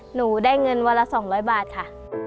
หนูได้เงินวันละ๒๐๐บาทค่ะ